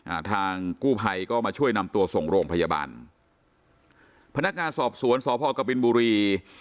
อ่าทางกู้ภัยก็มาช่วยนำตัวส่งโรงพยาบาลพนักงานสอบสวนสพกบินบุรี